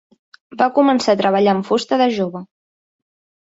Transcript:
Va començar a treballar amb fusta de jove.